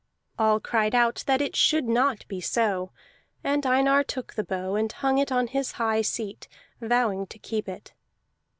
All cried out that it should not be so; and Einar took the bow, and hung it on his high seat, vowing to keep it.